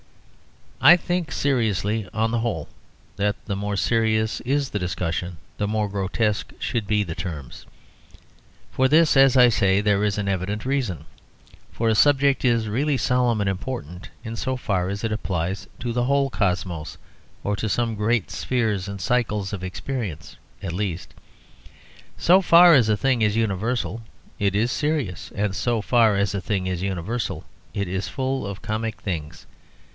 I think seriously, on the whole, that the more serious is the discussion the more grotesque should be the terms. For this, as I say, there is an evident reason. For a subject is really solemn and important in so far as it applies to the whole cosmos, or to some great spheres and cycles of experience at least. So far as a thing is universal it is serious. And so far as a thing is universal it is full of comic things.